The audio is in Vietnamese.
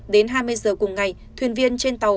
đến hai mươi giờ cùng ngày thuyền viên trên tàu